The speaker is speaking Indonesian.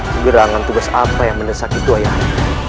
segera akan tugas apa yang mendesak itu ayah anda